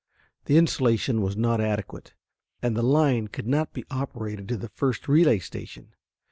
The insulation was not adequate, and the line could not be operated to the first relay station.